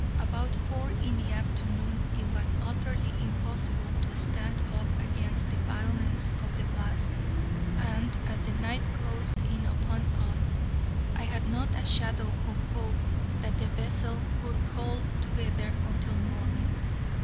About four in the afternoon it was utterly impossible to stand up against the violence of the blast; and, as the night closed in upon us, I had not a shadow of hope that the vessel would hold together until morning.